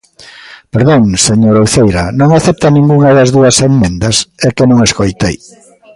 Perdón, señora Uceira, ¿non acepta ningunha das dúas emendas? É que non escoitei.